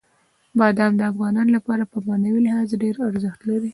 بادام د افغانانو لپاره په معنوي لحاظ ډېر ارزښت لري.